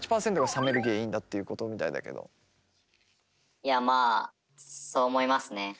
いやまあそう思いますね。